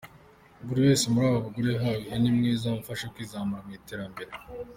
Buri wese muri aba bagore yahawe ihene imwe izamufasha kwizamura mu iterambere.